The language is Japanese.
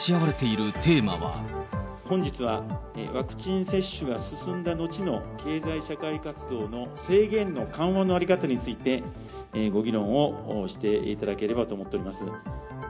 本日は、ワクチン接種が進んだ後の経済社会活動の制限の緩和の在り方について、ご議論をしていただければと思っております。